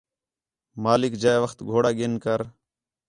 مالک جئے وخت گھوڑا گِن کر